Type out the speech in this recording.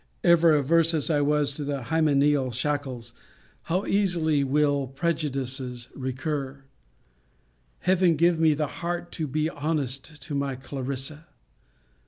Ever averse as I was to the hymeneal shackles, how easily will prejudices recur! Heaven give me the heart to be honest to my Clarissa!